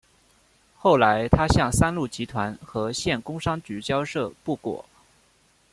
后来他向三鹿集团和县工商局交涉不果。